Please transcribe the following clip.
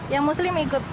yang muslim ikut